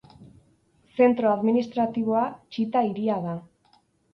Zentro administratiboa Txita hiria da.